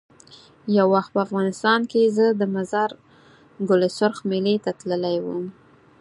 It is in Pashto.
یو وخت په افغانستان کې زه د مزار ګل سرخ میلې ته تللی وم.